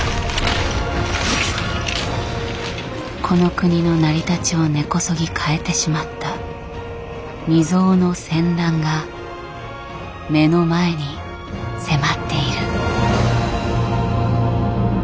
この国の成り立ちを根こそぎ変えてしまった未曽有の戦乱が目の前に迫っている。